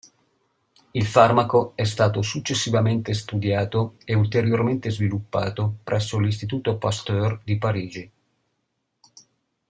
Il farmaco è stato successivamente studiato e ulteriormente sviluppato presso l'Istituto Pasteur di Parigi.